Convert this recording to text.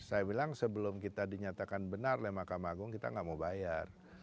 saya bilang sebelum kita dinyatakan benar oleh mahkamah agung kita nggak mau bayar